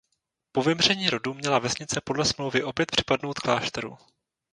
Po vymření rodu měla vesnice podle smlouvy opět připadnout klášteru.